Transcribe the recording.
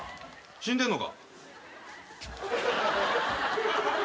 死んでんのか？